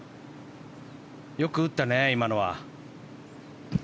よく打ったね、今のは。